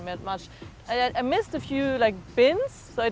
ketika saya memiliki sesuatu itu agak mengganggu